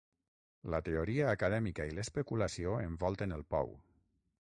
La teoria acadèmica i l'especulació envolten el pou.